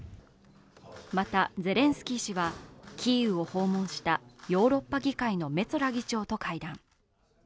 また、ゼレンスキー氏はキーウを訪問したヨーロッパ議会のメツォラ議長と会談。